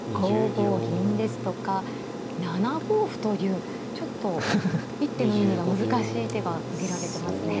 ５五銀ですとか７五歩というちょっと一手の意味が難しい手が挙げられてますね。